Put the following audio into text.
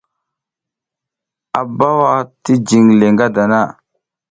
A bawa ti jiƞ le ngadana.